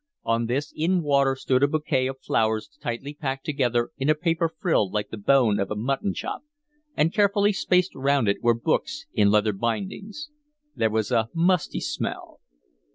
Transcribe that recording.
On this in water stood a bouquet of flowers tightly packed together in a paper frill like the bone of a mutton chop, and carefully spaced round it were books in leather bindings. There was a musty smell.